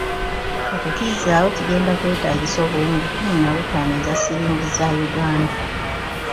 Okukizaawo kigenda kwetaagisa obuwumbi kumi na butaano eza silingi za Uganda.